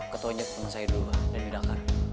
ketua aja sama saya dulu dan widakar